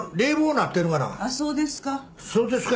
あっそうですか。